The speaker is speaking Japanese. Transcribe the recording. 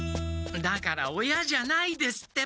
だから親じゃないですってば！